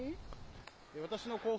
私の後方。